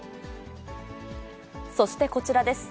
そしてこちらです。